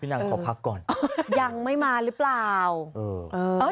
นางขอพักก่อนยังไม่มาหรือเปล่าเออเออ